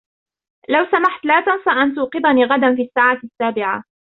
لوسمحت لاتنسى أن توقظني غدا في الساعة السابعة.